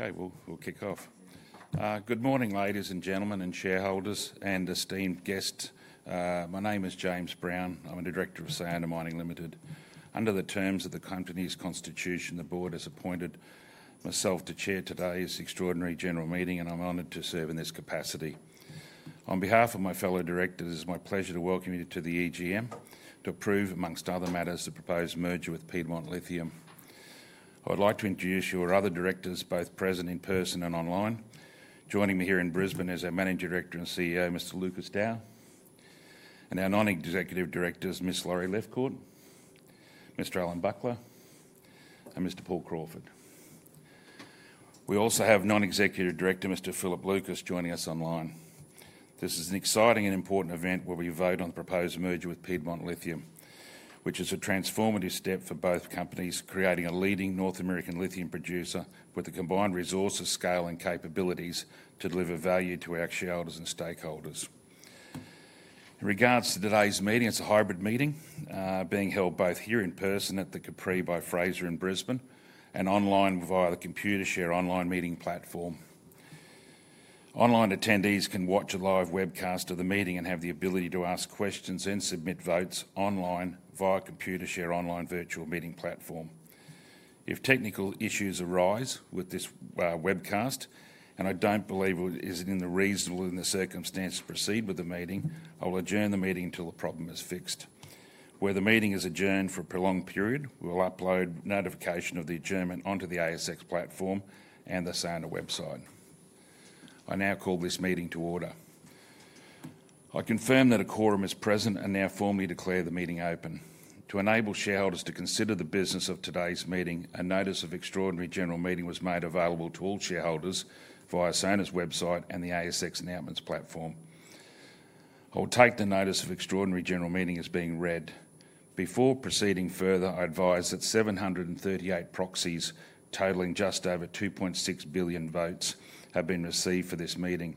Okay, we'll kick off. Good morning, ladies and gentlemen, and shareholders and esteemed guests. My name is James Brown. I'm the Director of Sayona Mining Limited. Under the terms of the company's Constitution, the Board has appointed myself to chair today's extraordinary general meeting, and I'm honored to serve in this capacity. On behalf of my fellow directors, it is my pleasure to welcome you to the EGM to approve, amongst other matters, the proposed merger with Piedmont Lithium. I'd like to introduce your other directors, both present in person and online. Joining me here in Brisbane is our Managing Director and CEO, Mr. Lucas Dow, and our Non-Executive Directors, Ms. Laurie Lefcourt, Mr. Alan Buckler, and Mr. Paul Crawford. We also have Non-Executive Director, Mr. Philip Lucas, joining us online. This is an exciting and important event where we vote on the proposed merger with Piedmont Lithium, which is a transformative step for both companies, creating a leading North American lithium producer with the combined resources and scale and capabilities to deliver value to our shareholders and stakeholders. In regards to today's meeting, it's a hybrid meeting being held both here in person at the Capri by Fraser in Brisbane and online via the Computershare online meeting platform. Online attendees can watch a live webcast of the meeting and have the ability to ask questions and submit votes online via the Computershare online virtual meeting platform. If technical issues arise with this webcast, and I don't believe it is reasonable in the circumstance to proceed with the meeting, I will adjourn the meeting until the problem is fixed. Where the meeting is adjourned for a prolonged period, we'll upload a notification of the adjournment onto the ASX platform and the Sayona website. I now call this meeting to order. I confirm that a quorum is present and now formally declare the meeting open. To enable shareholders to consider the business of today's meeting, a notice of extraordinary general meeting was made available to all shareholders via Sayona's website and the ASX announcements platform. I will take the notice of extraordinary general meeting as being read. Before proceeding further, I advise that 738 proxies, totaling just over 2.6 billion votes, have been received for this meeting.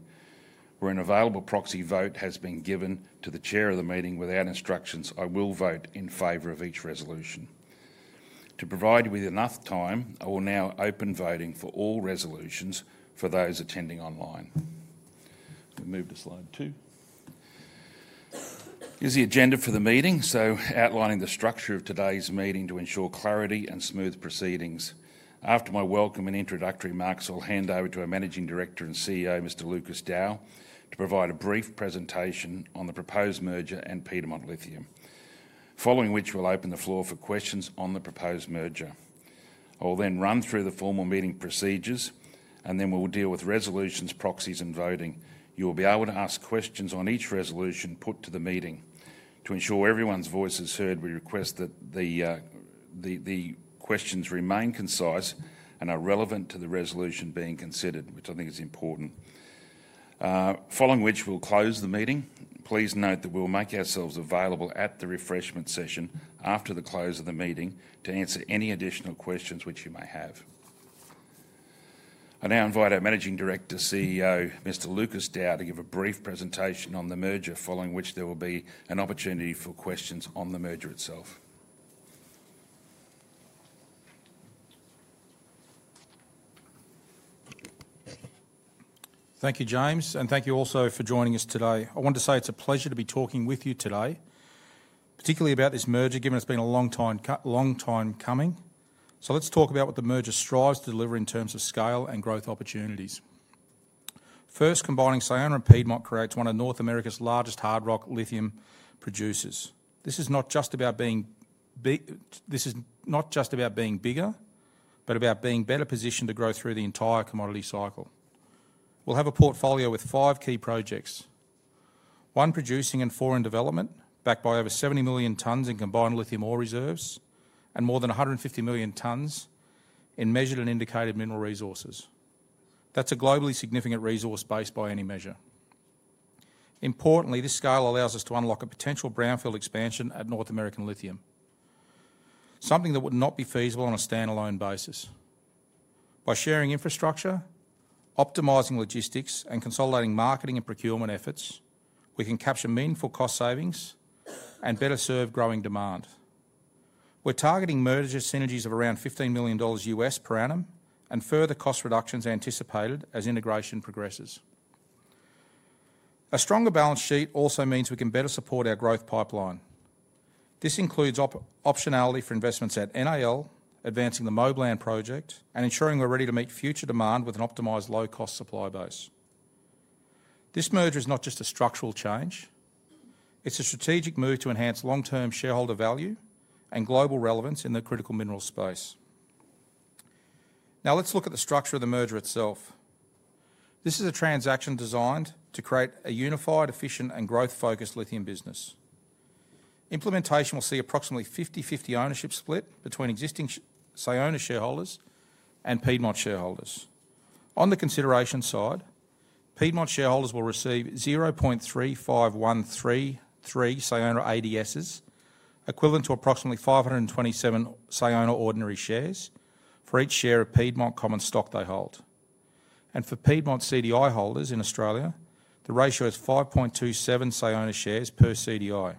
When an available proxy vote has been given to the chair of the meeting without instructions, I will vote in favor of each resolution. To provide you with enough time, I will now open voting for all resolutions for those attending online. We'll move to slide two. Here's the agenda for the meeting, outlining the structure of today's meeting to ensure clarity and smooth proceedings. After my welcome and introductory marks, I'll hand over to our Managing Director and CEO, Mr. Lucas Dow, to provide a brief presentation on the proposed merger and Piedmont Lithium, following which we'll open the floor for questions on the proposed merger. I will then run through the formal meeting procedures, and then we'll deal with resolutions, proxies, and voting. You will be able to ask questions on each resolution put to the meeting. To ensure everyone's voice is heard, we request that the questions remain concise and are relevant to the resolution being considered, which I think is important. Following which, we'll close the meeting. Please note that we'll make ourselves available at the refreshment session after the close of the meeting to answer any additional questions which you may have. I now invite our Managing Director and CEO, Mr. Lucas Dow, to give a brief presentation on the merger, following which there will be an opportunity for questions on the merger itself. Thank you, James, and thank you also for joining us today. I want to say it's a pleasure to be talking with you today, particularly about this merger, given it's been a long time coming. Let's talk about what the merger strives to deliver in terms of scale and growth opportunities. First, combining Sayona and Piedmont creates one of North America's largest hard rock lithium producers. This is not just about being bigger, but about being better positioned to grow through the entire commodity cycle. We'll have a portfolio with five key projects: one producing in foreign development, backed by over 70 million tons in combined lithium ore reserves, and more than 150 million tons in measured and indicated mineral resources. That's a globally significant resource base by any measure. Importantly, this scale allows us to unlock a potential brownfield expansion at North American Lithium, something that would not be feasible on a standalone basis. By sharing infrastructure, optimizing logistics, and consolidating marketing and procurement efforts, we can capture meaningful cost savings and better serve growing demand. We're targeting merger synergies of around $15 million per annum and further cost reductions anticipated as integration progresses. A stronger balance sheet also means we can better support our growth pipeline. This includes optionality for investments at NAL, advancing the Moblan project, and ensuring we're ready to meet future demand with an optimized low-cost supply base. This merger is not just a structural change; it's a strategic move to enhance long-term shareholder value and global relevance in the critical mineral space. Now let's look at the structure of the merger itself. This is a transaction designed to create a unified, efficient, and growth-focused lithium business. Implementation will see approximately a 50/50 ownership split between existing Sayona shareholders and Piedmont shareholders. On the consideration side, Piedmont shareholders will receive 0.35133 Sayona ADS, equivalent to approximately 527 Sayona ordinary shares for each share of Piedmont common stock they hold. For Piedmont CDI holders in Australia, the ratio is 5.27 Sayona shares per CDI.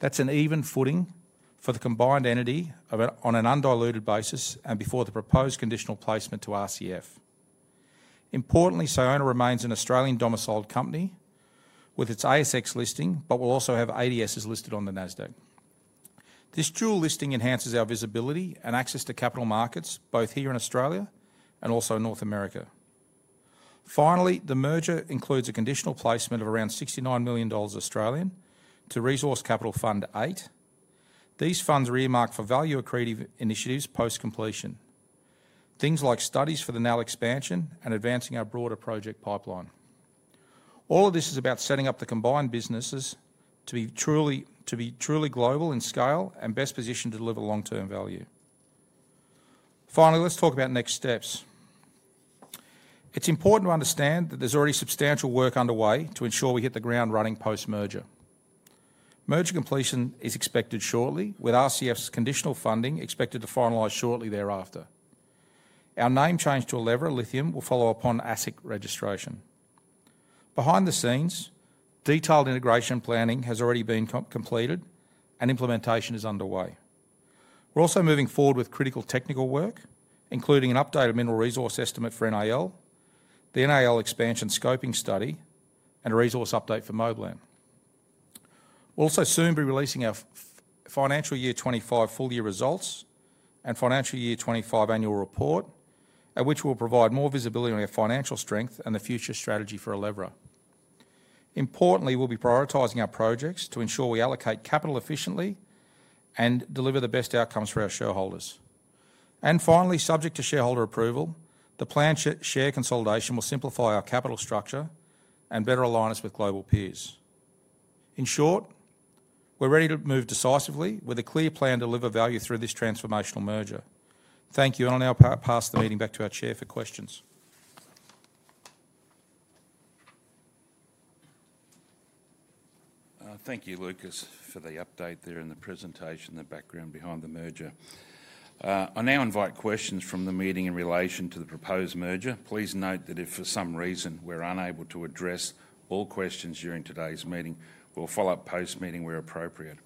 That's an even footing for the combined entity on an undiluted basis and before the proposed conditional placement to RCF. Importantly, Sayona remains an Australian-domiciled company with its ASX listing, but will also have ADS listed on the NASDAQ. This dual listing enhances our visibility and access to capital markets, both here in Australia and also in North America. Finally, the merger includes a conditional placement of around $69 million Australian to Resource Capital Fund 8. These funds are earmarked for value-accretive initiatives post-completion, things like studies for the North American Lithium expansion and advancing our broader project pipeline. All of this is about setting up the combined businesses to be truly global in scale and best positioned to deliver long-term value. Finally, let's talk about next steps. It's important to understand that there's already substantial work underway to ensure we hit the ground running post-merger. Merger completion is expected shortly, with RCF's conditional funding expected to finalize shortly thereafter. Our name change to Elevra Lithium will follow upon ASIC registration. Behind the scenes, detailed integration planning has already been completed and implementation is underway. We're also moving forward with critical technical work, including an updated mineral resource estimate for NAL, the NAL expansion scoping study, and a resource update for Moblan. We'll also soon be releasing our financial year 2025 full-year results and financial year 2025 annual report, at which we'll provide more visibility on our financial strength and the future strategy for Elevra. Importantly, we'll be prioritizing our projects to ensure we allocate capital efficiently and deliver the best outcomes for our shareholders. Finally, subject to shareholder approval, the planned share consolidation will simplify our capital structure and better align us with global peers. In short, we're ready to move decisively with a clear plan to deliver value through this transformational merger. Thank you, and I'll now pass the meeting back to our Chair for questions. Thank you, Lucas, for the update there in the presentation, the background behind the merger. I now invite questions from the meeting in relation to the proposed merger. Please note that if for some reason we're unable to address all questions during today's meeting, we'll follow up post-meeting where appropriate.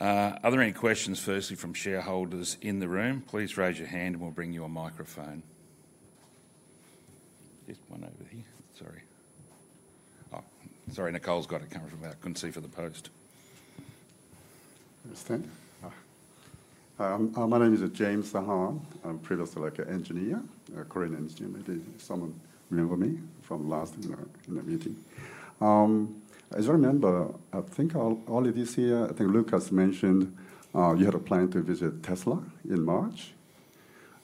Are there any questions firstly from shareholders in the room? Please raise your hand and we'll bring you a microphone. Just one over here. Sorry. Nicole's got it coming from out. Couldn't see for the post. Understand. My name is [James Brown]. I'm trained as an engineer. Corinne and Stephen, maybe someone remembers me from last in the meeting. As I remember, I think all of you see, I think Lucas mentioned you had a plan to visit Tesla in March.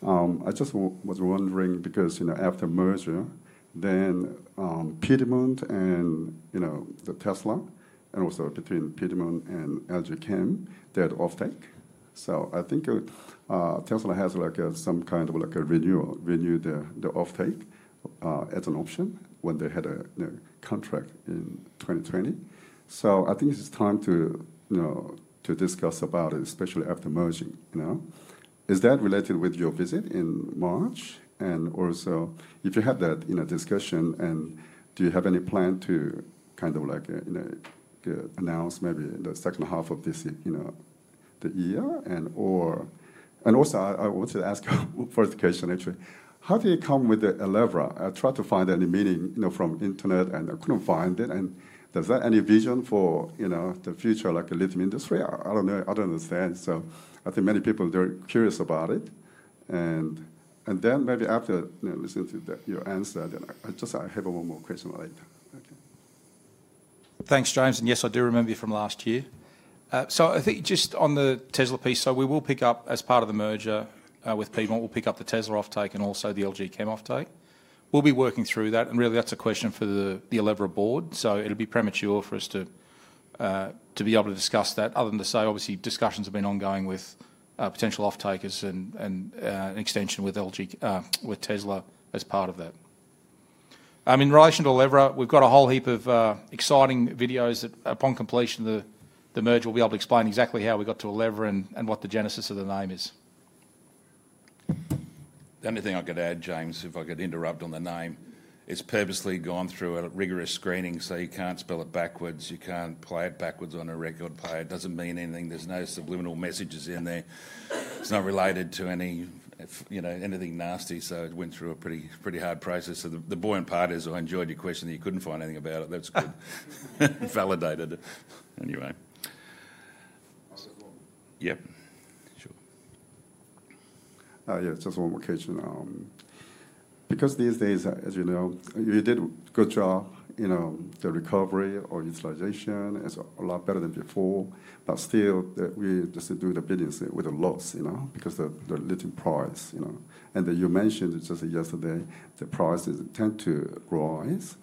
I just was wondering because, you know, after the merger, then Piedmont and, you know, the Tesla and also between Piedmont and LG Chem, they had offtake. I think Tesla has like some kind of like a renewed the offtake as an option when they had a contract in 2020. I think it's time to, you know, to discuss about it, especially after merging. Is that related with your visit in March? Also, if you have that in a discussion, do you have any plan to kind of like, you know, announce maybe the second half of this, you know, the year?I want to ask first the question, actually, how do you come with the Elevra? I tried to find any meaning, you know, from the internet and I couldn't find it. Does that have any vision for, you know, the future like the lithium industry? I don't know. I don't understand. I think many people are curious about it. Maybe after listening to your answer, then I just have one more question later. Thanks, James. Yes, I do remember you from last year. I think just on the Tesla piece, we will pick up as part of the merger with Piedmont Lithium, we'll pick up the Tesla offtake and also the LG Chem offtake. We'll be working through that. Really, that's a question for the Elevra board. It would be premature for us to be able to discuss that other than to say, obviously, discussions have been ongoing with potential offtakers and an extension with Tesla as part of that. In relation to Elevra, we've got a whole heap of exciting videos that upon completion of the merger, we'll be able to explain exactly how we got to Elevra and what the genesis of the name is. The only thing I could add, James, if I could interrupt on the name, it's purposely gone through a rigorous screening, so you can't spell it backwards. You can't play it backwards on a record player. It doesn't mean anything. There's no subliminal messages in there. It's not related to any, you know, anything nasty. It went through a pretty, pretty hard process. The boring part is I enjoyed your question that you couldn't find anything about it. That's validated. Anyway. Yeah, sure. Oh, yeah, that's one more question. These days, as you know, you did a good job, you know, the recovery or utilization is a lot better than before. We just do the business with a loss, you know, because the lithium price, you know, and you mentioned just yesterday, the prices tend to rise.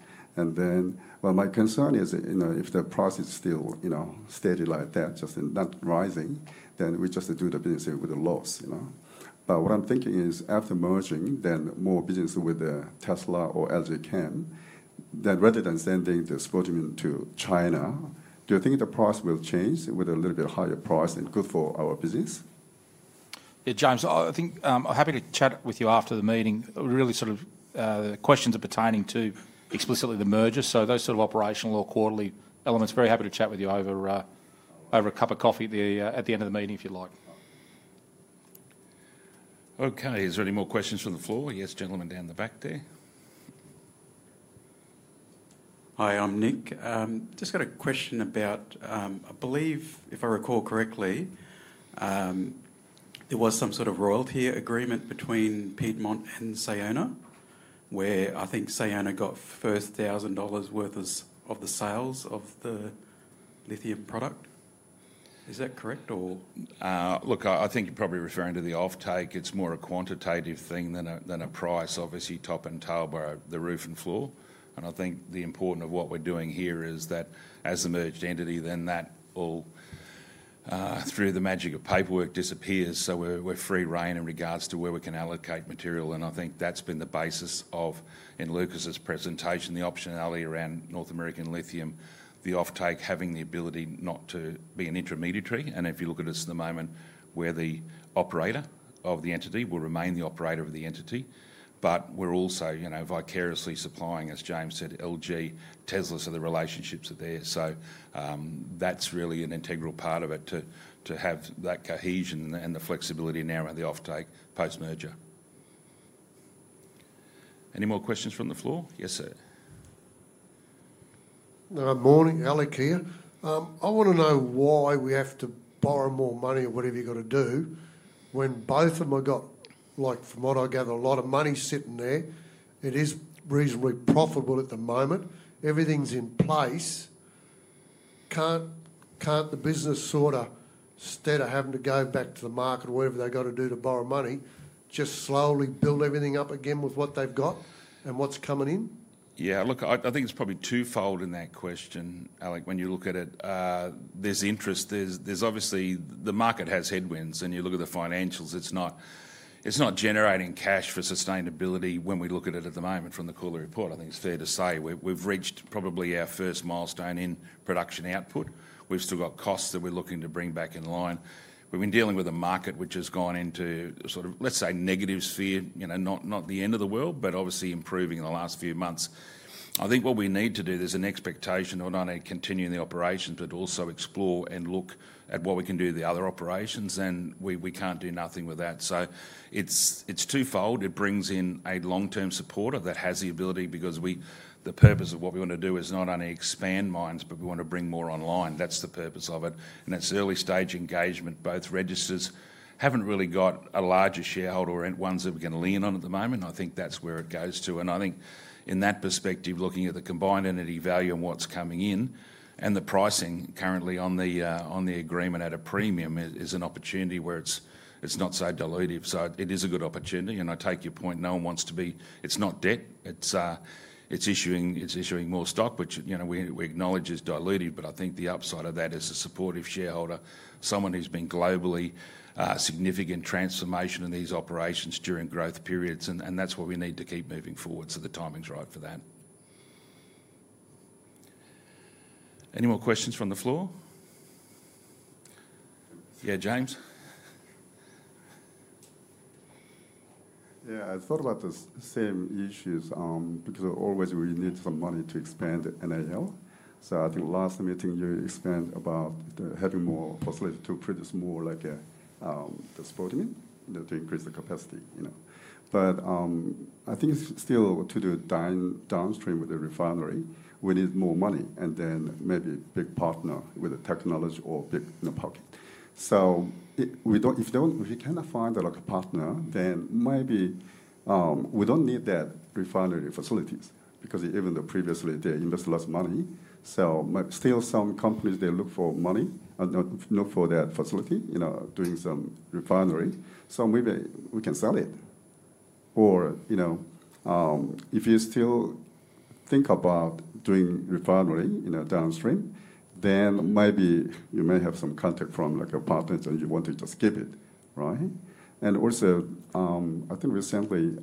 My concern is, if the price is still, you know, steady like that, just not rising, we just do the business with a loss, you know. What I'm thinking is after merging, then more business with Tesla or LG Chem, rather than sending this volume to China, do you think the price will change with a little bit higher price and good for our business? Yeah, James, I think I'm happy to chat with you after the meeting. Really, the questions are pertaining to explicitly the merger. Those operational or quarterly elements, very happy to chat with you over a cup of coffee at the end of the meeting if you'd like. Okay, is there any more questions from the floor? Yes, gentleman down the back there. Hi, I'm Nick. Just got a question about, I believe, if I recall correctly, there was some sort of royalty agreement between Piedmont Lithium and Sayona Mining, where I think Sayona got $1,000 worth of the sales of the lithium product. Is that correct or? Look, I think you're probably referring to the offtake. It's more a quantitative thing than a price. Obviously, top and tail were the roof and floor. I think the importance of what we're doing here is that as the merged entity, then that all, through the magic of paperwork, disappears. We're free rein in regards to where we can allocate material. I think that's been the basis of, in Lucas's presentation, the optionality around North American Lithium, the offtake, having the ability not to be an intermediary. If you look at us at the moment, we're the operator of the entity, we'll remain the operator of the entity. We're also, you know, vicariously supplying, as James said, LG Chem, Tesla, so the relationships are there. That's really an integral part of it to have that cohesion and the flexibility now and the offtake post-merger. Any more questions from the floor? Yes, sir. Morning, Alec here. I want to know why we have to borrow more money or whatever you've got to do when both of them have got, like from what I gather, a lot of money sitting there. It is reasonably profitable at the moment. Everything's in place. Can't the business, instead of having to go back to the market or whatever they've got to do to borrow money, just slowly build everything up again with what they've got and what's coming in? Yeah, look, I think it's probably twofold in that question, Alec, when you look at it. There's interest. Obviously, the market has headwinds and you look at the financials. It's not generating cash for sustainability when we look at it at the moment from the call report. I think it's fair to say we've reached probably our first milestone in production output. We've still got costs that we're looking to bring back in line. We've been dealing with a market which has gone into a sort of, let's say, negative sphere, you know, not the end of the world, but obviously improving in the last few months. I think what we need to do, there's an expectation of not only continuing the operations, but also exploring and looking at what we can do with the other operations. We can't do nothing with that. It's twofold. It brings in a long-term supporter that has the ability because the purpose of what we want to do is not only expand mines, but we want to bring more online. That's the purpose of it. It's early-stage engagement. Both registers haven't really got a larger shareholder or ones that we're going to lean on at the moment. I think that's where it goes to. I think in that perspective, looking at the combined entity value and what's coming in and the pricing currently on the agreement at a premium is an opportunity where it's not so dilutive. It is a good opportunity. I take your point. No one wants to be, it's not debt. It's issuing more stock, which, you know, we acknowledge is dilutive. I think the upside of that is a supportive shareholder, someone who's been globally, a significant transformation in these operations during growth periods. That's what we need to keep moving forward. The timing's right for that. Any more questions from the floor? Yeah, James. Yeah, I've thought about the same issues because always we need some money to expand NAL. I think last meeting you explained about having more facilities to produce more like the spodumene to increase the capacity, you know. I think still to do downstream with the refinery, we need more money and then maybe a big partner with the technology or big in the pocket. If we cannot find a partner, then maybe we don't need that refinery facilities because even previously they invested less money. Still, some companies look for money and look for that facility, you know, doing some refineries. Maybe we can sell it. If you still think about doing refinery downstream, then maybe you may have some contact from like a partner and you want to just keep it, right. Also, I think recently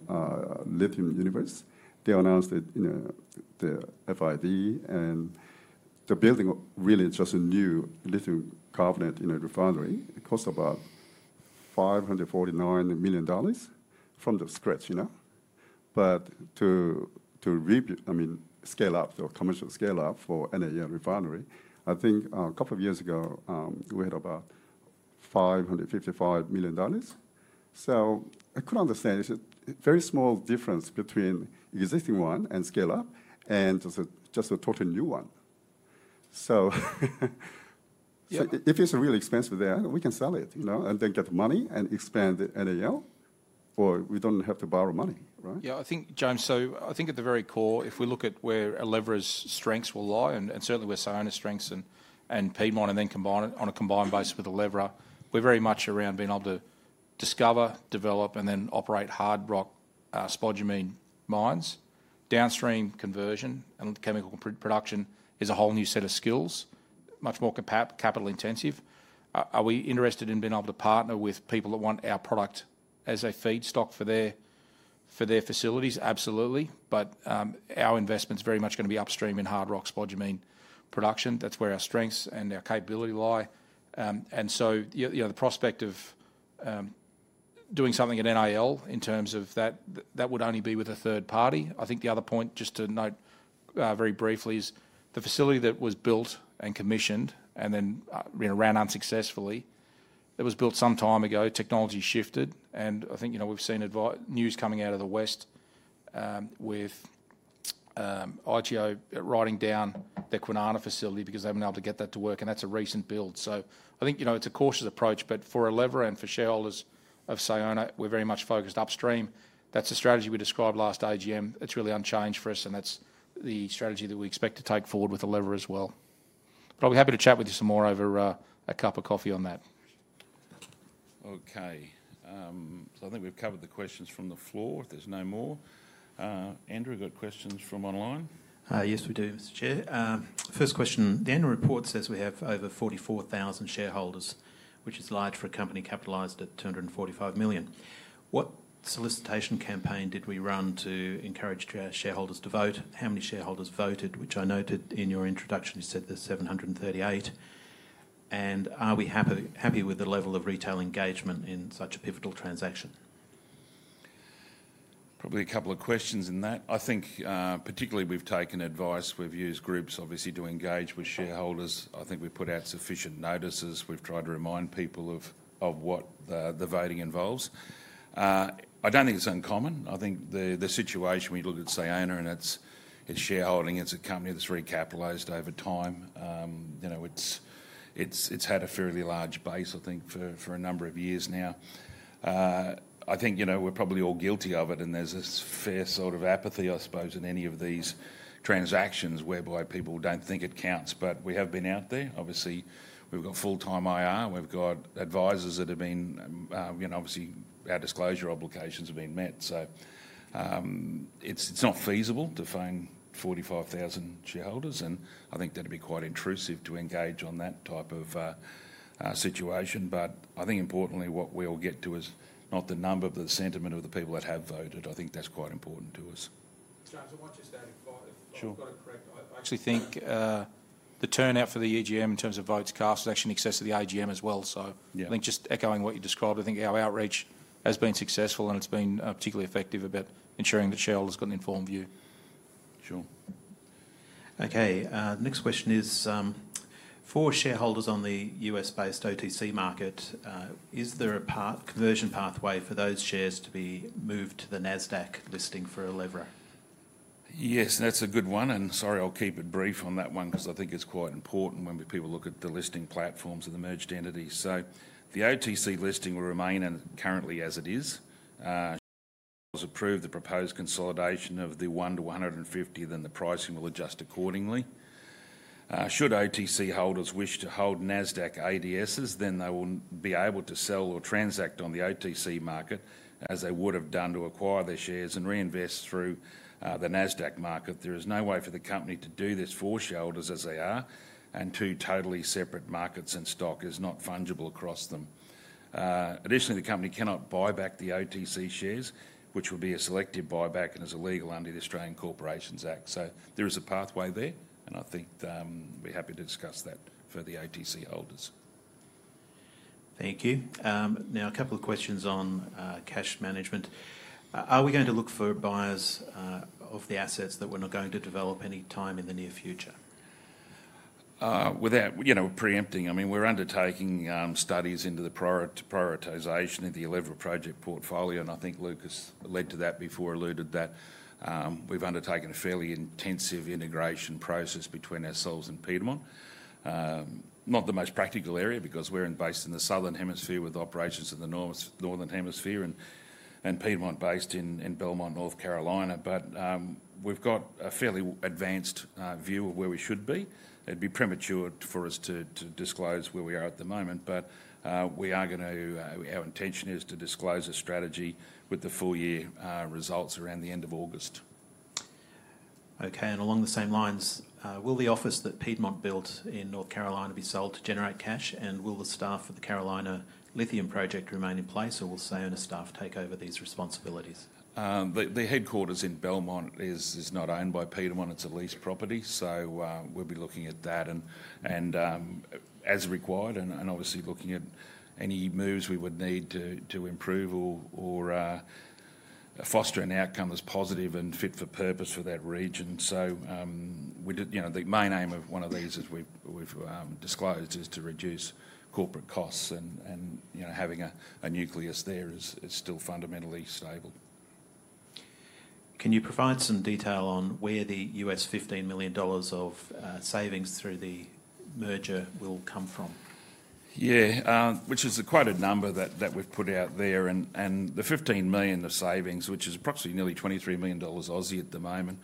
Lithium Universe announced that, you know, the FID and the building really is just a new lithium carbonate refinery. It costs about $549 million from the scripts, you know. To rebuild, I mean, scale up, so commercial scale up for NAL refinery, I think a couple of years ago we had about $555 million. I could understand it's a very small difference between the existing one and scale up and just a totally new one. If it's really expensive there, we can sell it, you know, and then get the money and expand the NAL or we don't have to borrow money. I think, James, at the very core, if we look at where Elevra's strengths will lie, and certainly where Sayona's strengths and Piedmont, and then on a combined basis with Elevra, we're very much around being able to discover, develop, and then operate hard rock spodumene mines. Downstream conversion and chemical production is a whole new set of skills, much more capital intensive. Are we interested in being able to partner with people that want our product as a feedstock for their facilities? Absolutely. Our investment's very much going to be upstream in hard rock spodumene production. That's where our strengths and our capability lie. The prospect of doing something at NAL in terms of that, that would only be with a third-party. The other point, just to note very briefly, is the facility that was built and commissioned and then ran unsuccessfully, it was built some time ago. Technology shifted. We've seen news coming out of the West with IGO Limited writing down the Kwinana facility because they haven't been able to get that to work. That's a recent build. It's a cautious approach. For Elevra and for shareholders of Sayona, we're very much focused upstream. That's the strategy we described last AGM. It's really unchanged for us. That's the strategy that we expect to take forward with Elevra as well. Probably happy to chat with you some more over a cup of coffee on that. Okay. I think we've covered the questions from the floor. If there's no more, Andrew, got questions from online. Yes, we do, Mr. Chair. First question, the annual report says we have over 44,000 shareholders, which is large for a company capitalized at $245 million. What solicitation campaign did we run to encourage shareholders to vote? How many shareholders voted, which I noted in your introduction? You said there's 738. Are we happy with the level of retail engagement in such a pivotal transaction? Probably a couple of questions in that. I think particularly we've taken advice. We've used groups, obviously, to engage with shareholders. I think we've put out sufficient notices. We've tried to remind people of what the voting involves. I don't think it's uncommon. I think the situation we look at Sayona and its shareholding is a company that's recapitalized over time. It's had a fairly large base, I think, for a number of years now. I think we're probably all guilty of it, and there's a fair sort of apathy, I suppose, in any of these transactions whereby people don't think it counts. We have been out there. Obviously, we've got full-time IR. We've got advisors that have been, obviously, our disclosure obligations have been met. It's not feasible to find 45,000 shareholders, and I think that'd be quite intrusive to engage on that type of situation. I think importantly, what we'll get to is not the number, but the sentiment of the people that have voted. I think that's quite important to us. Sure. I think the turnout for the AGM in terms of votes cast was actually in excess of the AGM as well. I think just echoing what you described, our outreach has been successful and it's been particularly effective in ensuring that shareholders got an informed view. Sure. Okay. Next question is for shareholders on the U.S.-based OTC market. Is there a conversion pathway for those shares to be moved to the NASDAQ listing for Elevra? Yes, that's a good one. Sorry, I'll keep it brief on that one because I think it's quite important when people look at the listing platforms of the merged entities. The OTC listing will remain currently as it is. If shareholders approve the proposed consolidation of the 1-150, then the pricing will adjust accordingly. Should OTC holders wish to hold NASDAQ ADSs, they will be able to sell or transact on the OTC market as they would have done to acquire their shares and reinvest through the NASDAQ market. There is no way for the company to do this for shareholders as they are two totally separate markets and stock is not fungible across them. Additionally, the company cannot buy back the OTC shares, which would be a selective buyback and is illegal under the Australian Corporations Act. There is a pathway there, and I think we're happy to discuss that for the OTC holders. Thank you. Now, a couple of questions on cash management. Are we going to look for buyers of the assets that we're not going to develop any time in the near future? Without preempting, we're undertaking studies into the prioritization of the Elevra Lithium Ltd project portfolio, and I think Lucas alluded to that before, that we've undertaken a fairly intensive integration process between ourselves and Piedmont. It's not the most practical area because we're based in the southern hemisphere with operations in the northern hemisphere, and Piedmont is based in Belmont, North Carolina. We've got a fairly advanced view of where we should be. It'd be premature for us to disclose where we are at the moment, but our intention is to disclose a strategy with the full-year results around the end of August. Okay. Along the same lines, will the office that Piedmont built in North Carolina be sold to generate cash, and will the staff for the Carolina lithium project remain in place, or will Sayona staff take over these responsibilities? The headquarters in Belmont is not owned by Piedmont. It's a leased property. We'll be looking at that as required, and obviously looking at any moves we would need to improve or foster an outcome that's positive and fit for purpose for that region. The main aim of one of these, as we've disclosed, is to reduce corporate costs, and having a nucleus there is still fundamentally stable. Can you provide some detail on where the $15 million of savings through the merger will come from? Yeah, which is quite a number that we've put out there. The $15 million of savings, which is approximately nearly $23 million AUD at the moment,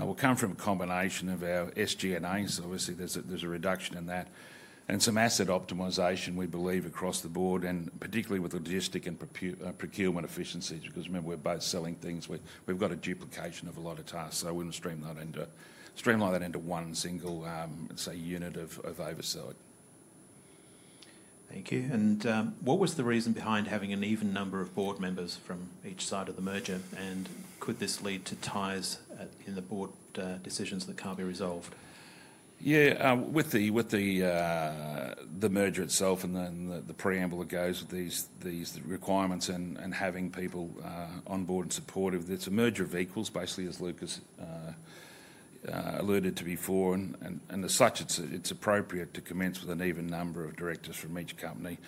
will come from a combination of our SG&A. There's a reduction in that and some asset optimization, we believe, across the board, particularly with logistic and procurement efficiencies, because remember, we're both selling things. We've got a duplication of a lot of tasks. I wouldn't streamline that into one single, say, unit or oversell it. Thank you. What was the reason behind having an even number of board members from each side of the merger? Could this lead to ties in the board decisions that can't be resolved? Yeah, with the merger itself and then the preamble that goes with these requirements and having people on board and supportive, it's a merger of equals, basically, as Lucas alluded to before. As such, it's appropriate to commence with an even number of directors from each company.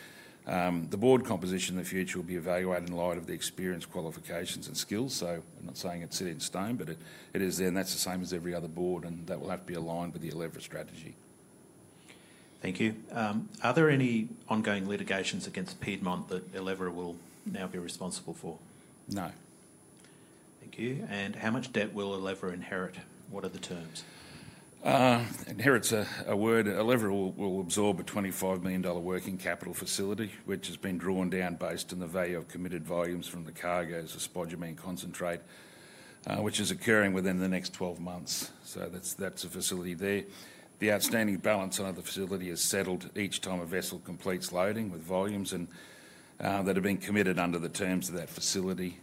The board composition in the future will be evaluated in light of the experience, qualifications, and skills. I'm not saying it's set in stone, but it is there. That's the same as every other board, and that will have to be aligned with the Elevra strategy. Thank you. Are there any ongoing litigations against Piedmont that Elevra will now be responsible for? No. Thank you. How much debt will Elevra inherit? What are the terms? Inherit's a word. Elevra will absorb a $25 million working capital facility, which has been drawn down based on the value of committed volumes from the cargo as a spodumene concentrate, which is occurring within the next 12 months. That's a facility there. The outstanding balance on the facility is settled each time a vessel completes loading with volumes that have been committed under the terms of that facility.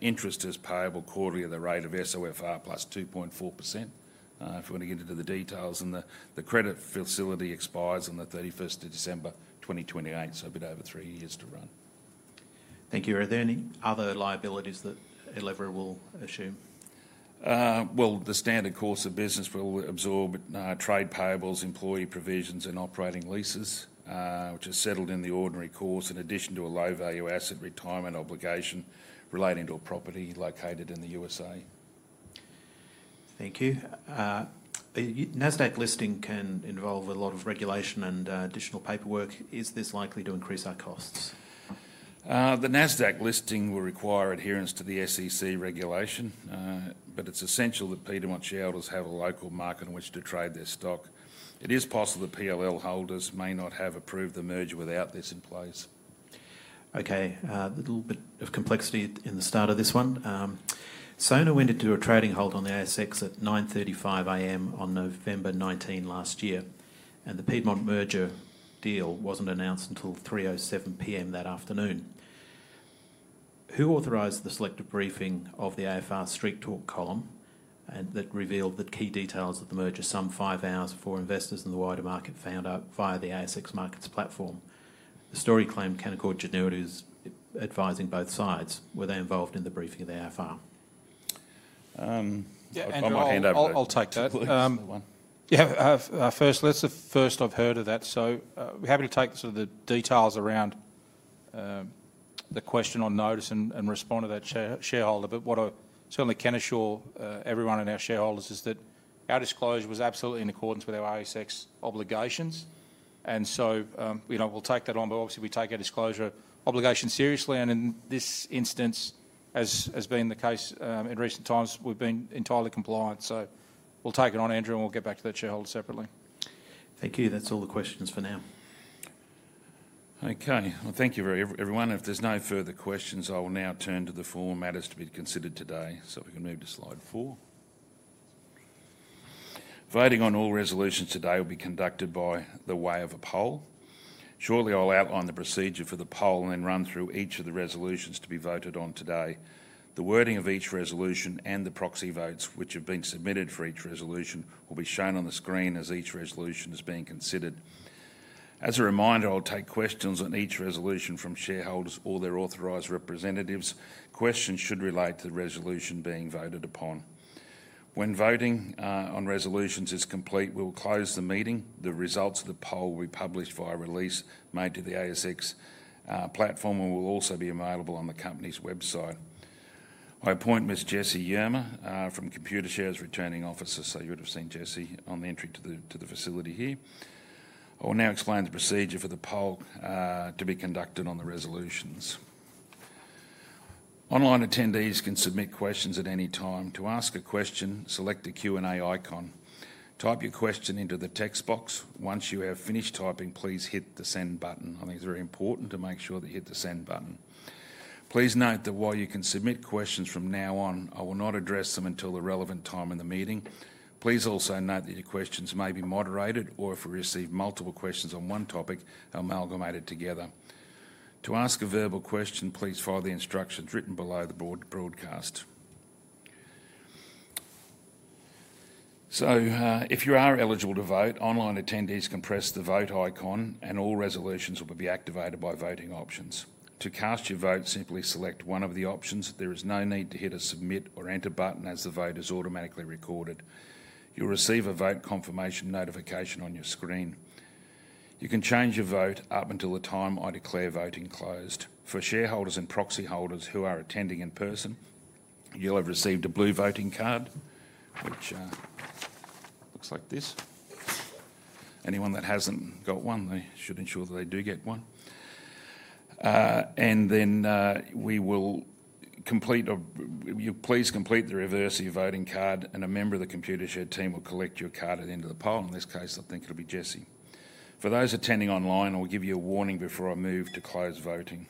Interest is payable quarterly at the rate of SOFR plus 2.4%. If we want to get into the details, the credit facility expires on the 31st of December 2028. A bit over three years to run. Thank you. Are there any other liabilities that Elevra will assume? The standard course of business will absorb trade payables, employee provisions, and operating leases, which are settled in the ordinary course in addition to a low-value asset retirement obligation relating to a property located in the U.S.A. Thank you. The NASDAQ listing can involve a lot of regulation and additional paperwork. Is this likely to increase our costs? The NASDAQ listing will require adherence to the SEC regulation, but it's essential that Piedmont shareholders have a local market in which to trade their stock. It is possible that PLL holders may not have approved the merger without this in place. Okay, a little bit of complexity in the start of this one. Sayona went into a trading halt on the ASX at 9:35 A.M. on November 19 last year, and the Piedmont merger deal wasn't announced until 3:07 P.M. that afternoon. Who authorized the selective briefing of the AFR's Street Talk column that revealed the key details of the merger some five hours before investors in the wider market found out via the ASX Markets platform? The story claimed Canaccord Genuity is advising both sides. Were they involved in the briefing of the AFR? Yeah, I'll take that one. That's the first I've heard of that. We're happy to take the details around the question on notice and respond to that shareholder. What I certainly can assure everyone and our shareholders is that our disclosure was absolutely in accordance with our ASX obligations. We take our disclosure obligation seriously. In this instance, as has been the case in recent times, we've been entirely compliant. We'll take it on, Andrew, and we'll get back to that shareholder separately. Thank you. That's all the questions for now. Okay, thank you very much. If there's no further questions, I will now turn to the formal matters to be considered today. We can move to slide four. Voting on all resolutions today will be conducted by way of a poll. Shortly, I'll outline the procedure for the poll and then run through each of the resolutions to be voted on today. The wording of each resolution and the proxy votes which have been submitted for each resolution will be shown on the screen as each resolution is being considered. As a reminder, I'll take questions on each resolution from shareholders or their authorized representatives. Questions should relate to the resolution being voted upon. When voting on resolutions is complete, we'll close the meeting. The results of the poll will be published via release made to the ASX platform and will also be available on the company's website. I appoint Ms. Jessie Yerma from Computershare as returning officer. You would have seen Jessie on entry to the facility here. I will now explain the procedure for the poll to be conducted on the resolutions. Online attendees can submit questions at any time. To ask a question, select the Q&A icon. Type your question into the text box. Once you have finished typing, please hit the send button. I think it's very important to make sure that you hit the send button. Please note that while you can submit questions from now on, I will not address them until the relevant time in the meeting. Please also note that your questions may be moderated or, if we receive multiple questions on one topic, amalgamated together. To ask a verbal question, please follow the instructions written below the broadcast. If you are eligible to vote, online attendees can press the vote icon and all resolutions will be activated by voting options. To cast your vote, simply select one of the options. There is no need to hit a submit or enter button as the vote is automatically recorded. You'll receive a vote confirmation notification on your screen. You can change your vote up until the time I declare voting closed. For shareholders and proxy holders who are attending in person, you'll have received a blue voting card, which looks like this. Anyone that hasn't got one should ensure that they do get one. Please complete the reverse of your voting card and a member of the Computershare team will collect your card at the end of the poll. In this case, I think it'll be Jessie. For those attending online, I'll give you a warning before I move to close voting.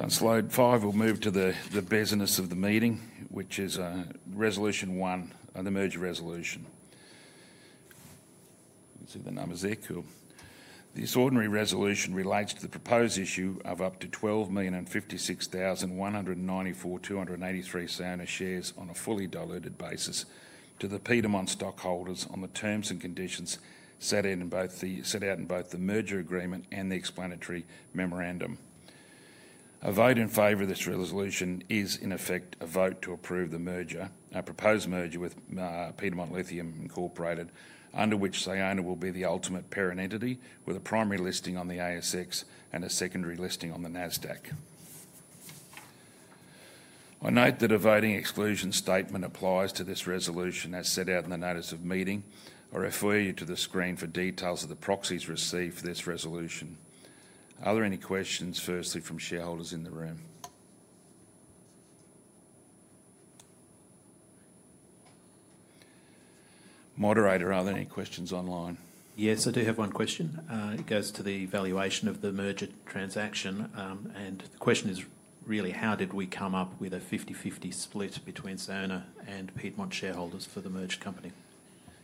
On slide five, we'll move to the business of the meeting, which is resolution one, the merger resolution. You can see the numbers there. This ordinary resolution relates to the proposed issue of up to 12,056,194,283 Sayona shares on a fully diluted basis to the Piedmont stockholders on the terms and conditions set out in both the merger agreement and the explanatory memorandum. A vote in favor of this resolution is in effect a vote to approve the merger, a proposed merger with Piedmont Lithium, under which Sayona will be the ultimate parent entity with a primary listing on the ASX and a secondary listing on the NASDAQ. I note that a voting exclusion statement applies to this resolution as set out in the notice of meeting. I refer you to the screen for details of the proxies received for this resolution. Are there any questions firstly from shareholders in the room? Moderator, are there any questions online? Yes, I do have one question. It goes to the evaluation of the merger transaction. The question is really, how did we come up with a 50/50 split between Sayona and Piedmont shareholders for the merged company?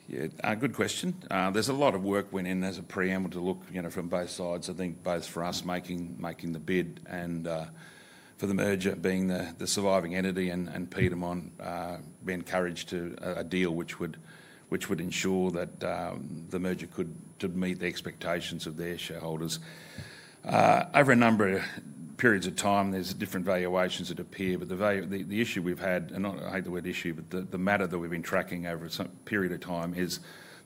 Yeah, good question. There's a lot of work went in as a preamble to look, you know, from both sides. I think both for us making the bid and for the merger being the surviving entity and Piedmont being encouraged to a deal which would ensure that the merger could meet the expectations of their shareholders. Over a number of periods of time, there's different valuations that appear, but the issue we've had, and I hate the word issue, but the matter that we've been tracking over a period of time is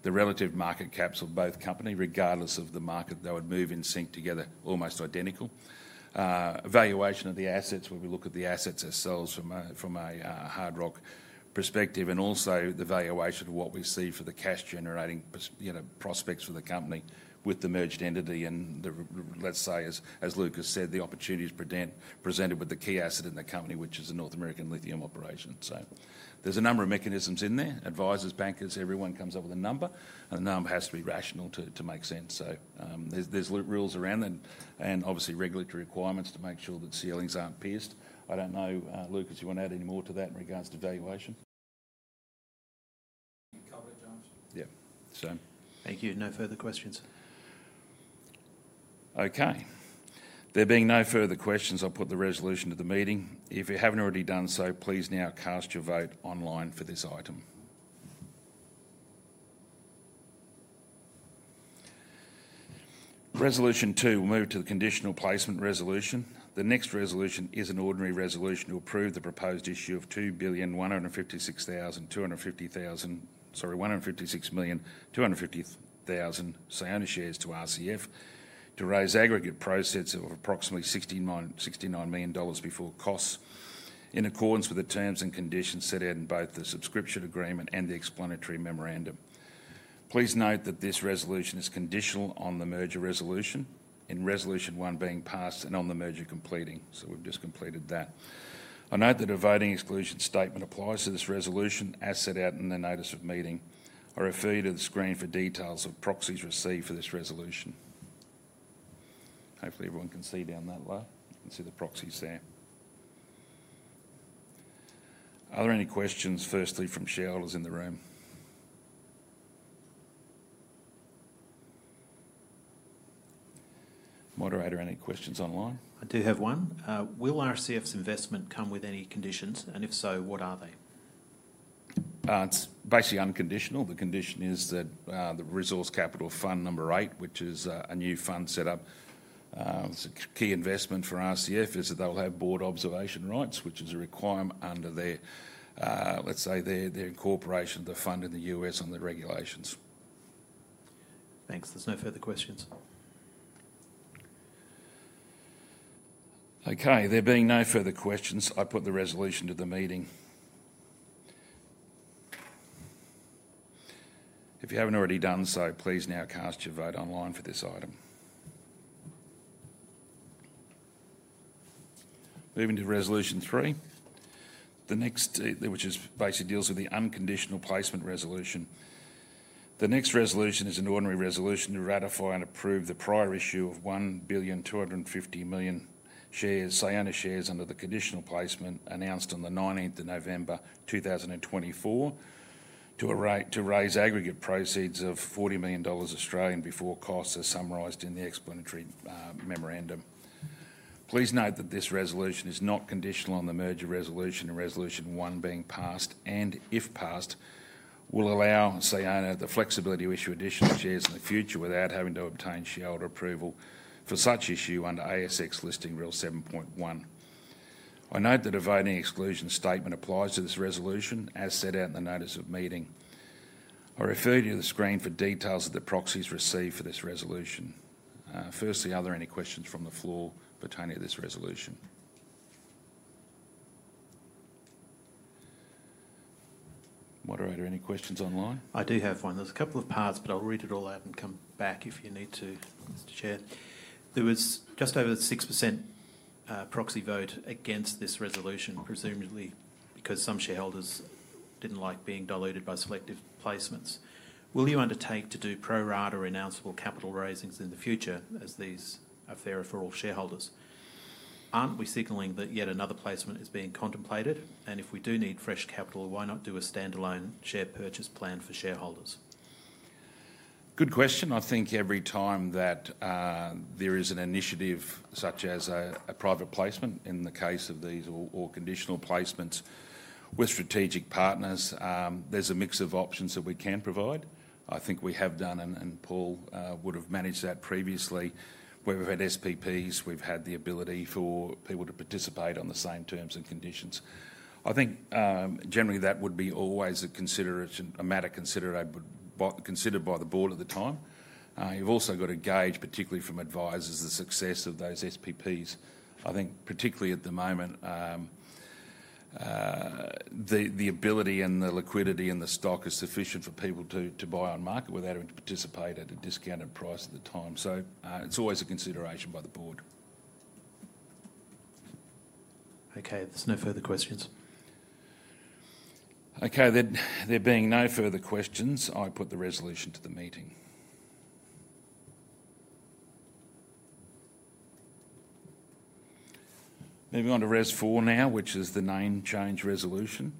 the relative market caps of both companies. Regardless of the market, they would move in sync together, almost identical. Evaluation of the assets, when we look at the assets ourselves from a hard rock perspective, and also the valuation of what we see for the cash-generating prospects for the company with the merged entity. As Lucas said, the opportunities presented with the key asset in the company, which is the North American Lithium operation. There's a number of mechanisms in there. Advisors, bankers, everyone comes up with a number, and the number has to be rational to make sense. There are rules around that and obviously regulatory requirements to make sure that ceilings aren't pierced. I don't know, Lucas, you want to add any more to that in regards to valuation? Covered, James. Yeah, same. Thank you. No further questions. Okay. There being no further questions, I'll put the resolution to the meeting. If you haven't already done so, please now cast your vote online for this item. Resolution two will move to the conditional placement resolution. The next resolution is an ordinary resolution to approve the proposed issue of 156,250,000 Sayona shares to RCF to raise aggregate proceeds of approximately $69 million before costs in accordance with the terms and conditions set out in both the subscription agreement and the explanatory memorandum. Please note that this resolution is conditional on the merger resolution, in resolution one being passed and on the merger completing. I note that a voting exclusion statement applies to this resolution as set out in the notice of meeting. I refer you to the screen for details of proxies received for this resolution. Hopefully, everyone can see down that low and see the proxies there. Are there any questions firstly from shareholders in the room? Moderator, any questions online? I do have one. Will Resource Capital Fund 8's investment come with any conditions? If so, what are they? It's basically unconditional. The condition is that the Resource Capital Fund 8, which is a new fund set up, the key investment for RCF is that they'll have board observation rights, which is a requirement under their, let's say, their incorporation of the fund in the U.S. under regulations. Thanks. There's no further questions. Okay, there being no further questions, I put the resolution to the meeting. If you haven't already done so, please now cast your vote online for this item. Moving to resolution three, the next, which basically deals with the unconditional placement resolution. The next resolution is an ordinary resolution to ratify and approve the prior issue of 1,250,000,000 Sayona shares under the conditional placement announced on the 19th of November 2024 to raise aggregate proceeds of 40 million Australian dollars before costs as summarized in the explanatory memorandum. Please note that this resolution is not conditional on the merger resolution and resolution one being passed, and if passed will allow Sayona the flexibility to issue additional shares in the future without having to obtain shareholder approval for such issue under ASX listing rule 7.1. I note that a voting exclusion statement applies to this resolution as set out in the notice of meeting. I refer you to the screen for details of the proxies received for this resolution. Firstly, are there any questions from the floor pertaining to this resolution? Moderator, any questions online? I do have one. There's a couple of parts, but I'll read it all out and come back if you need to, Mr. Chair. There was just over a 6% proxy vote against this resolution, presumably because some shareholders didn't like being diluted by selective placements. Will you undertake to do pro rata renounceable capital raisings in the future as these are fairer for all shareholders? Aren't we signaling that yet another placement is being contemplated? If we do need fresh capital, why not do a standalone share purchase plan for shareholders? Good question. I think every time that there is an initiative such as a private placement in the case of these or conditional placements with strategic partners, there's a mix of options that we can provide. I think we have done, and Paul would have managed that previously, where we've had SPPs, we've had the ability for people to participate on the same terms and conditions. I think generally that would be always a matter considered by the board at the time. You've also got to gauge, particularly from advisors, the success of those SPPs. I think particularly at the moment, the ability and the liquidity in the stock is sufficient for people to buy on market without having to participate at a discounted price at the time. It is always a consideration by the board. Okay, there's no further questions. Okay, there being no further questions, I put the resolution to the meeting. Moving on to res four now, which is the name change resolution.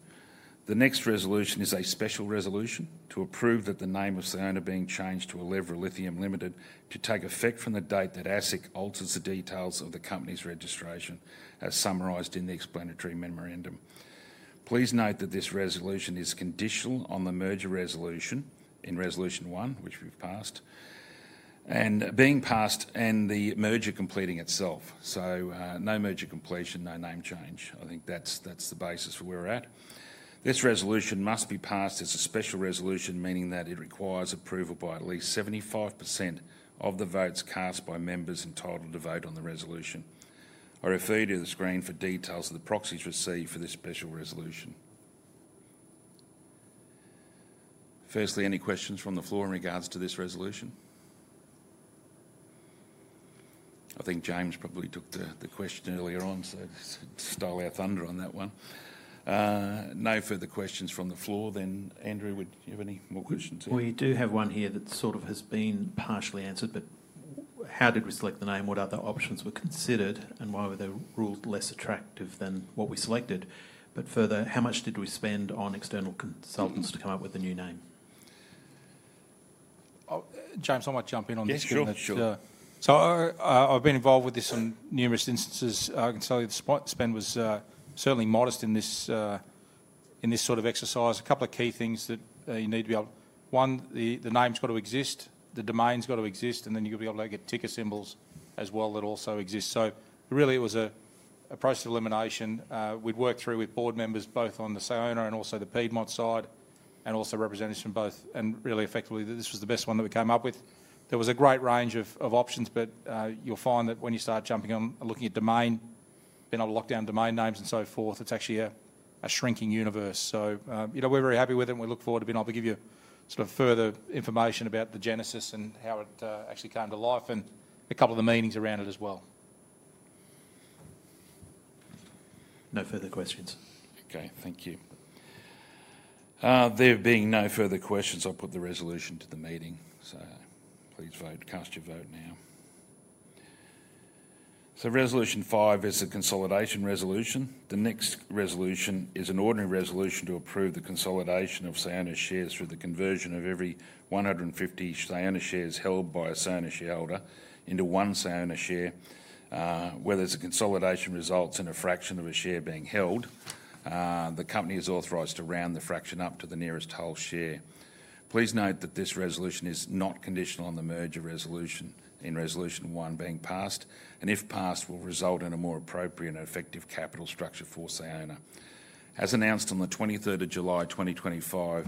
The next resolution is a special resolution to approve that the name of Sayona being changed to Elevra Lithium Ltd to take effect from the date that ASIC alters the details of the company's registration, as summarized in the explanatory memorandum. Please note that this resolution is conditional on the merger resolution in resolution one, which we've passed, and being passed and the merger completing itself. No merger completion, no name change. I think that's the basis where we're at. This resolution must be passed as a special resolution, meaning that it requires approval by at least 75% of the votes cast by members entitled to vote on the resolution. I refer you to the screen for details of the proxies received for this special resolution. Firstly, any questions from the floor in regards to this resolution? I think James probably took the question earlier on, so stole our thunder on that one. No further questions from the floor. Andrew, would you have any more questions? We do have one here that has been partially answered, but how did we select the name, what other options were considered, and why were the rules less attractive than what we selected? Further, how much did we spend on external consultants to come up with a new name? James, I might jump in on this. Sure. I've been involved with this on numerous instances. I can tell you the spend was certainly modest in this exercise. A couple of key things that you need to be able to, one, the name's got to exist, the domain's got to exist, and then you've got to be able to get ticker symbols as well that also exist. It was a process of elimination. We'd worked through with board members both on the Sayona and also the Piedmont side, and also representatives from both, and effectively, this was the best one that we came up with. There was a great range of options, but you'll find that when you start jumping on looking at domain, being able to lock down domain names and so forth, it's actually a shrinking universe. We're very happy with it, and we look forward to being able to give you further information about the genesis and how it actually came to life and a couple of the meetings around it as well. No further questions. Okay, thank you. There being no further questions, I'll put the resolution to the meeting. Please vote, cast your vote now. Resolution five is a consolidation resolution. The next resolution is an ordinary resolution to approve the consolidation of Sayona shares through the conversion of every 150 Sayona shares held by a Sayona shareholder into one Sayona share. Whether the consolidation results in a fraction of a share being held, the company is authorized to round the fraction up to the nearest whole share. Please note that this resolution is not conditional on the merger resolution, in resolution one being passed, and if passed, will result in a more appropriate and effective capital structure for Sayona. As announced on July 23rd, 2025,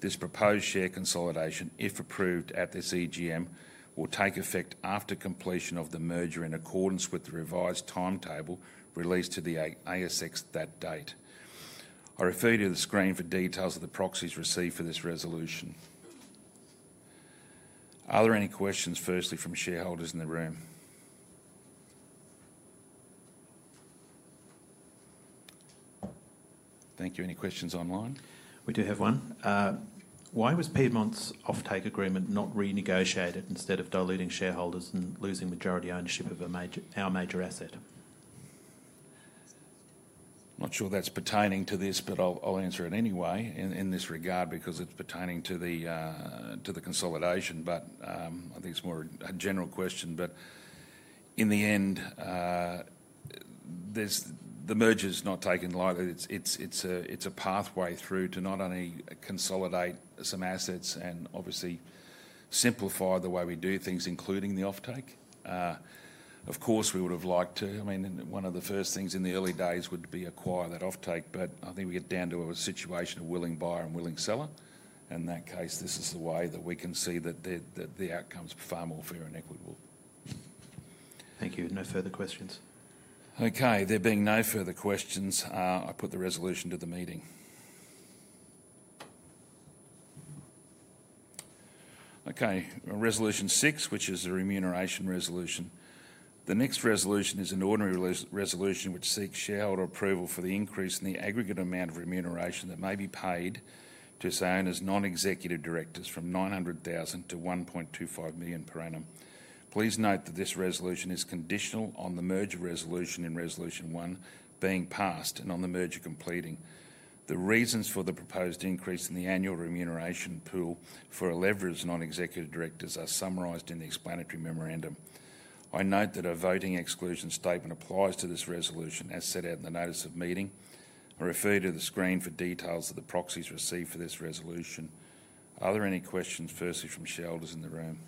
this proposed share consolidation, if approved at this EGM, will take effect after completion of the merger in accordance with the revised timetable released to the ASX that date. I refer you to the screen for details of the proxies received for this resolution. Are there any questions firstly from shareholders in the room? Thank you. Any questions online? We do have one. Why was Piedmont's offtake agreement not renegotiated instead of diluting shareholders and losing majority ownership of our major asset? I'm not sure that's pertaining to this, but I'll answer it anyway in this regard because it's pertaining to the consolidation. I think it's more a general question. In the end, the merger is not taken lightly. It's a pathway through to not only consolidate some assets and obviously simplify the way we do things, including the offtake. Of course, we would have liked to, I mean, one of the first things in the early days would be acquire that offtake, but I think we get down to a situation of willing buyer and willing seller. In that case, this is the way that we can see that the outcome is far more fair and equitable. Thank you. No further questions. Okay, there being no further questions, I put the resolution to the meeting. Okay, resolution six, which is a remuneration resolution. The next resolution is an ordinary resolution which seeks shareholder approval for the increase in the aggregate amount of remuneration that may be paid to Sayona's non-executive directors from $900,000 to $1.25 million per annum. Please note that this resolution is conditional on the merger resolution in resolution one being passed and on the merger completing. The reasons for the proposed increase in the annual remuneration pool for Elevra's non-executive directors are summarized in the explanatory memorandum. I note that a voting exclusion statement applies to this resolution as set out in the notice of meeting. I refer you to the screen for details of the proxies received for this resolution. Are there any questions firstly from shareholders in the room?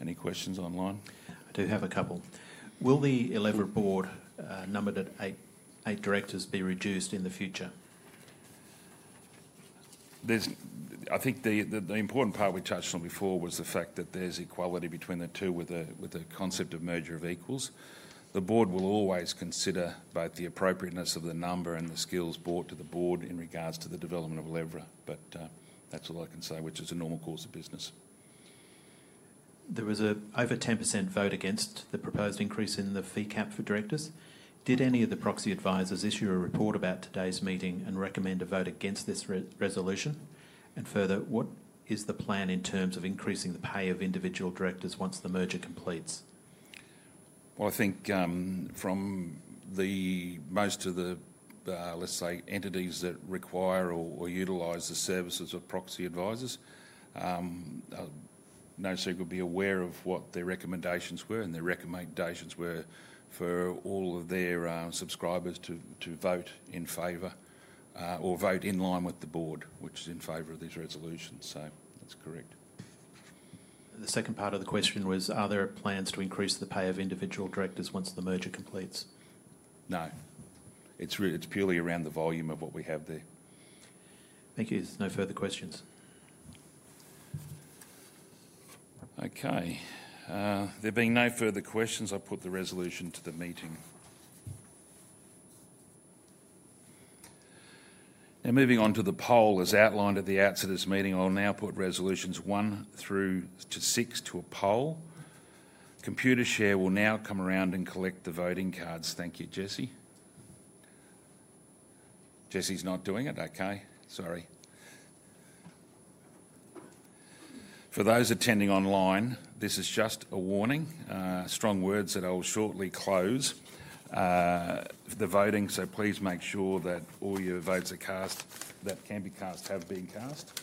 Any questions online? I do have a couple. Will the Elevra board, numbered at eight directors, be reduced in the future? I think the important part we touched on before was the fact that there's equality between the two with the concept of merger of equals. The board will always consider both the appropriateness of the number and the skills brought to the board in regards to the development of Elevra. That's all I can say, which is a normal course of business. There was an over 10% vote against the proposed increase in the fee cap for directors. Did any of the proxy advisors issue a report about today's meeting and recommend a vote against this resolution? Further, what is the plan in terms of increasing the pay of individual directors once the merger completes? I think from most of the, let's say, entities that require or utilize the services of proxy advisors, no shareholder would be aware of what their recommendations were, and their recommendations were for all of their subscribers to vote in favor or vote in line with the board, which is in favor of this resolution. That's correct. The second part of the question was, are there plans to increase the pay of individual directors once the merger completes? No. It's purely around the volume of what we have there. Thank you. No further questions. Okay. There being no further questions, I put the resolution to the meeting. Now, moving on to the poll, as outlined at the outset of this meeting, I'll now put resolutions one through to six to a poll. Computershare will now come around and collect the voting cards. Thank you, Jessie. Jessie's not doing it. Okay. Sorry. For those attending online, this is just a warning. Strong words that I will shortly close the voting. Please make sure that all your votes that can be cast have been cast.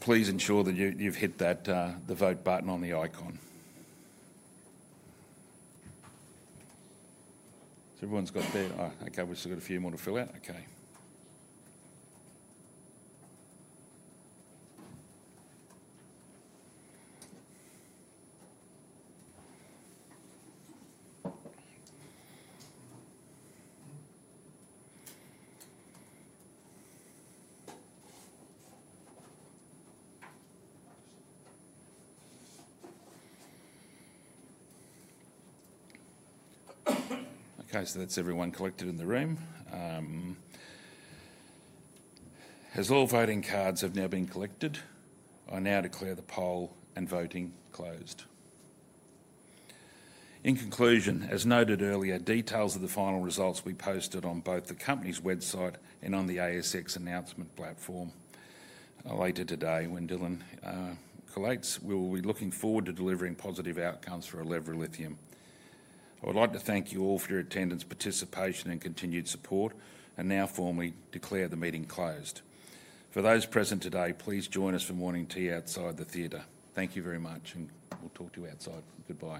Please ensure that you've hit the vote button on the icon. Everyone's got that. We've still got a few more to fill out. Okay, so that's everyone collected in the room. As all voting cards have now been collected, I now declare the poll and voting closed. In conclusion, as noted earlier, details of the final results will be posted on both the company's website and on the ASX announcement platform later today when Dylan collates. We will be looking forward to delivering positive outcomes for Elevra Lithium. I would like to thank you all for your attendance, participation, and continued support, and now formally declare the meeting closed. For those present today, please join us for morning tea outside the theater. Thank you very much, and we'll talk to you outside. Goodbye.